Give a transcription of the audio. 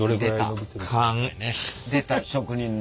出た職人の。